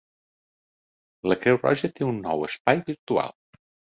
La Creu Roja té un nou espai virtual.